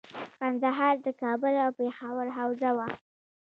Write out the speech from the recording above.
ګندهارا د کابل او پیښور حوزه وه